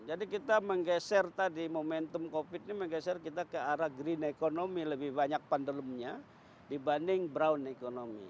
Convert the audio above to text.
jadi kita menggeser tadi momentum covid ini menggeser kita ke arah green economy lebih banyak pandemnya dibanding brown economy